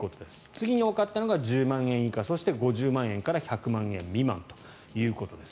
次に多かったのが１０万円以下そして５０万円から１００万円未満ということです。